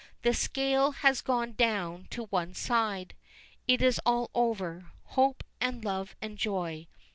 The scale has gone down to one side. It is all over, hope and love and joy.